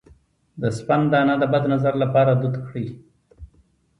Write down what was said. د سپند دانه د بد نظر لپاره دود کړئ